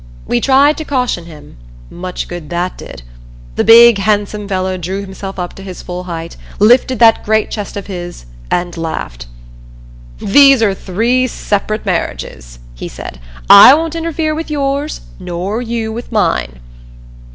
We tried to caution him much good that did. The big handsome fellow drew himself up to his full height, lifted that great chest of his, and laughed. "There are three separate marriages," he said. "I won't interfere with yours nor you with mine."